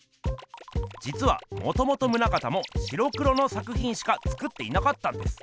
じつはもともと棟方も白黒の作ひんしか作っていなかったんです。